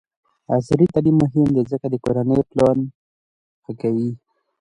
عصري تعلیم مهم دی ځکه چې د کورنۍ پلان ښه کوي.